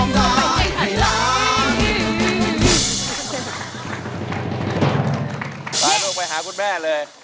สาเหมือนต้องไปหากุจแม่เลย